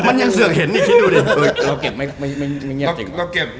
มันยังเสือกเห็นคิดดูดิ